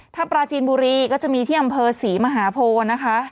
ถ้าปราจีนบุรีก็จะมีที่อำเภอศรีมหาโพนะคะ